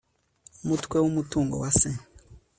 umutwe wa umutungo wase